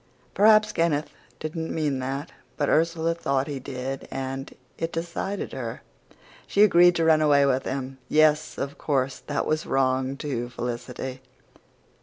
"Perhaps Kenneth didn't mean that, but Ursula thought he did, and it decided her. She agreed to run away with him. Yes, of course that was wrong, too, Felicity.